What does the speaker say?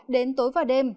đến tối và đêm